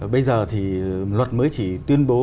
bây giờ thì luật mới chỉ tuyên bố